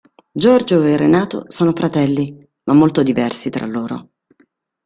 Giorgio e Renato sono fratelli, ma molto diversi tra loro.